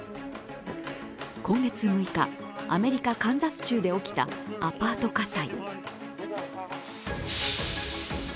今月６日、アメリカ・カンザス州で起きたアパート火災。